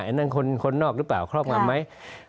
อันนั้นคนนอกหรือเปล่าครอบงำไหม